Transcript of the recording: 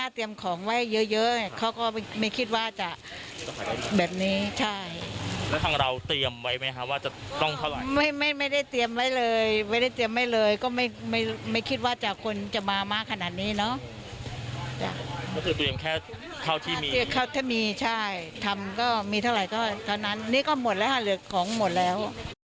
ทำก็มีเท่าไหร่เท่านั้นนี่ก็หมดแล้วค่ะเหลือของหมดแล้ว